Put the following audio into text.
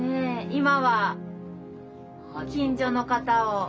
今は近所の方を。